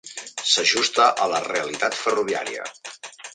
S'ajusta a la realitat ferroviària.